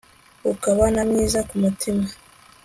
ukaba na mwiza ku mutima